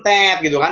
tet gitu kan